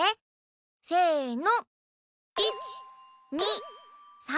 せの１２３４５。